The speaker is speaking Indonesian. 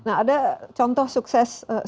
nah ada contoh sukses